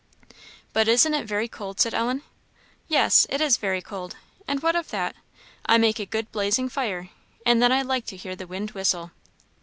"But isn't it very cold?" said Ellen. "Yes, it is very cold? what of that? I make a good blazing fire; and then I like to hear the wind whistle."